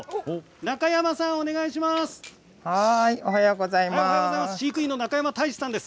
中山さん、お願いします。